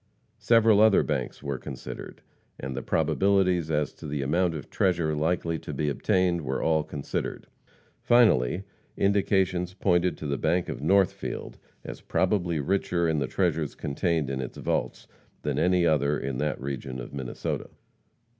Several other banks were considered, and the probabilities as to the amount of treasure likely to be obtained were all considered. Finally, indications pointed to the bank of Northfield as probably richer in the treasures contained in its vaults than any other in that region of Minnesota.